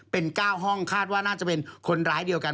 เป็น๙ห้องคาดว่าน่าจะเป็นคนร้ายเดียวกัน